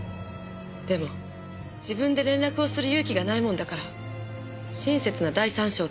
でも自分で連絡をする勇気がないもんだから親切な第三者を使うんです。